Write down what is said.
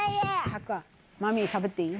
マミィしゃべっていい？